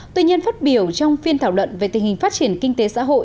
tuy nhiên phát biểu trong phiên thảo luận về tình hình phát triển kinh tế xã hội